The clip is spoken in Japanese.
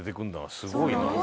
すごいな。